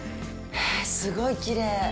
すごいきれい。